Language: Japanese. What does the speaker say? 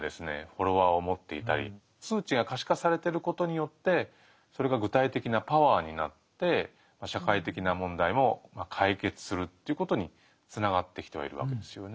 フォロワーを持っていたり数値が可視化されてることによってそれが具体的なパワーになって社会的な問題も解決するということにつながってきてはいるわけですよね。